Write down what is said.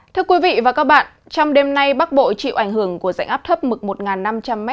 thưa quý vị và các bạn trong đêm nay bắc bộ chịu ảnh hưởng của dạnh áp thấp mực một năm trăm linh m